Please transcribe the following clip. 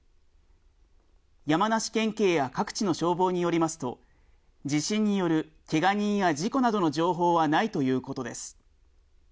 山梨県警や各地の消防によりますと、地震によるけが人や事故などの情報はないということです。